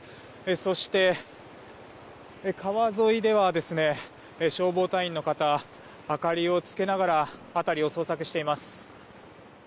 そして川沿いでは消防隊員の方明かりをつけながら辺りを捜索しています。